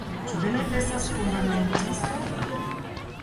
Ĉu vi ne estas fundamentisto?